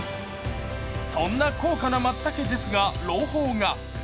そんな高価なまつたけですが、朗報が。